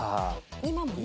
今もね。